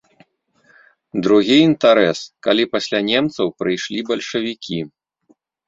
Другі інтарэс, калі пасля немцаў прыйшлі бальшавікі.